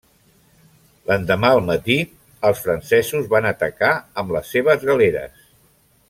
L'endemà al matí els francesos van atacar amb les seves galeres.